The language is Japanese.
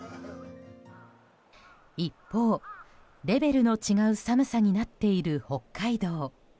一方、レベルの違う寒さになっている北海道。